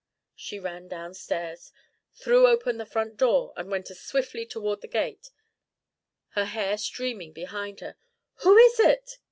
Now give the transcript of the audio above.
She ran down stairs, threw open the front door and went as swiftly toward the gate, her hair streaming behind her. "Who is it?"